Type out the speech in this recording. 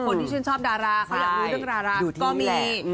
เพราะฉันชอบดาราเขาอยากรู้เรื่องดาราก็มี